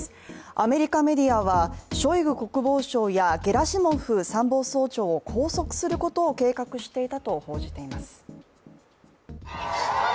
アメリカメディアは、ショイグ国防相やゲラシモフ参謀総長を拘束することを計画していたと報じています。